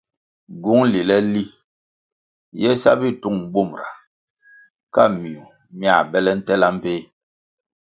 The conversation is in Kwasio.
Gywúng lile li ye sa bitūng bumra ka miwuh mia bele ntela mbpéh.